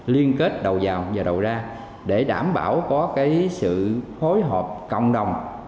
liên kết đầu vào và đầu ra để đảm bảo có sự phối hợp cộng đồng